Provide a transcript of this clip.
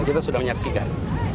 kita sudah menyaksikan